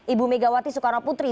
ibu megawati soekarno putri